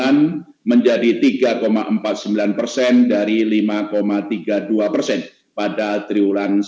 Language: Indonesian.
di mana penulis ekonomi kuliah ke jika kelihatannya tidak mencapai peluas